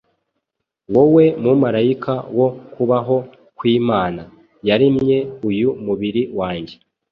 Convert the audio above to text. Wowe mumarayika wo kubaho kwImana, Yaremye uyu mubiri wanjye,